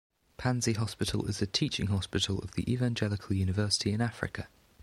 Panzi Hospital is a teaching hospital of the Evangelical University in Africa.